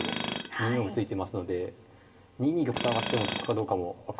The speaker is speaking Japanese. ２四歩突いていますので２二玉と上がっても得かどうかも分からない。